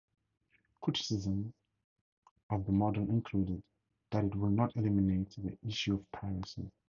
Criticisms of the model included that it would not eliminate the issue of piracy.